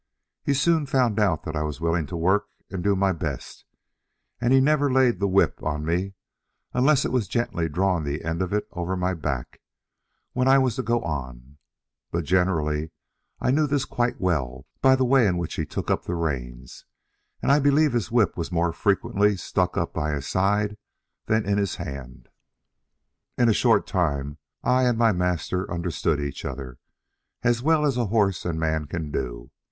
He soon found out that I was willing to work and do my best; and he never laid the whip on me, unless it was gently drawing the end of it over my back, when I was to go on; but generally I knew this quite well by the way in which he took up the reins; and I believe his whip was more frequently stuck up by his side than in his hand. In a short time I and my master understood each other, as well as horse and man can do.